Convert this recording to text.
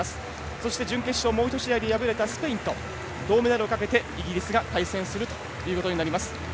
そして、準決勝もう１試合で破れたスペインと銅メダルをかけてイギリスが対戦するということになります。